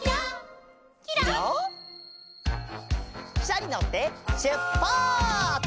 きしゃにのってしゅっぱつ！